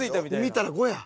見たら５や。